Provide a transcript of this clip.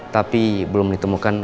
tapi belum ditemukan